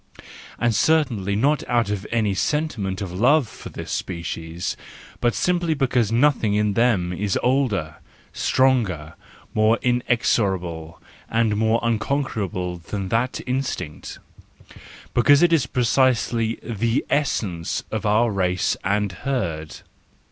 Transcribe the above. And certainly not out of any sentiment of love for this species, but simply because nothing in them is older, stronger, more inexorable, and more unconquerable than that instinct,—because it is precisely the essence of our race and herd.